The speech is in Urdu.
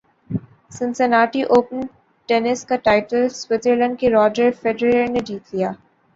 سنسناٹی اوپن ٹینس کا ٹائٹل سوئٹزرلینڈ کے راجر فیڈرر نے جیت لیا